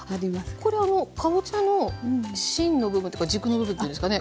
これはかぼちゃの芯の部分というか軸の部分というんですかね